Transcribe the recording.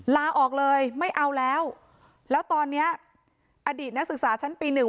ลาออกเลยไม่เอาแล้วแล้วตอนเนี้ยอดีตนักศึกษาชั้นปีหนึ่ง